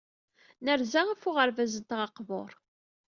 Nerza ɣef uɣerbaz-nteɣ aqbur.